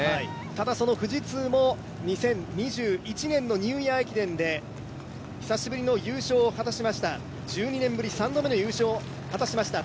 ただ、富士通も２０２１年のニューイヤー駅伝で久しぶりにの優勝、１２年ぶり３度目の優勝をしました。